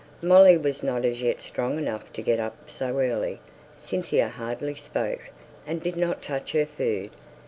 Molly was not as yet strong enough to get up so early. Cynthia hardly spoke, and did not touch her food.